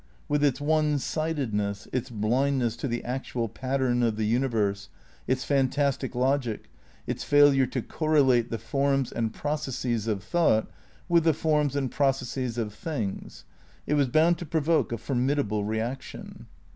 With its one sidedness, its^^ ,.,,.^ Idealism bhndness to the actual pattern of the universe, its fan tastic logic, its failure to correlate the forms and pro cesses of thought with the forms and processes of things, it was bound to provoke a formidable reaction.